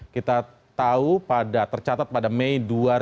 kita tahu tercatat pada mei dua ribu delapan